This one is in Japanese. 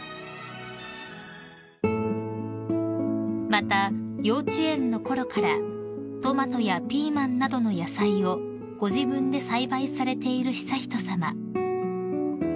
［また幼稚園のころからトマトやピーマンなどの野菜をご自分で栽培されている悠仁さま］